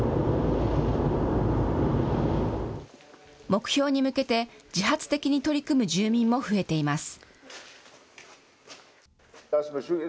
目標に向けて、自発的に取り組む住民も増えています。